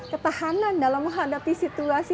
ketahanan dalam menghadapi situasi